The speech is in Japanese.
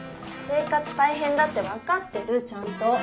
生活大変だって分かってるちゃんと。